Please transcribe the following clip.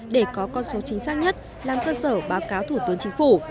để có con số chính xác nhất làm cơ sở báo cáo thủ tướng chính phủ